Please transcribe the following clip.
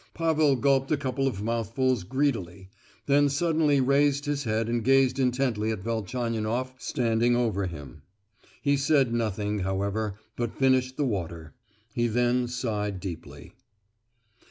Pavel gulped a couple of mouthfuls greedily—then suddenly raised his head and gazed intently at Velchaninoff standing over him; he said nothing, however, but finished the water. He then sighed deeply.